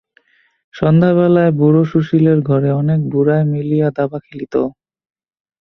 সন্ধ্যাবেলায় বুড়ো সুশীলের ঘরে অনেক বুড়ায় মিলিয়া দাবা খেলিত।